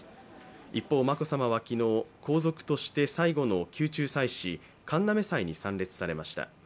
一方、眞子さまは昨日、皇族として最後の宮中祭祀、神嘗祭に参列されました。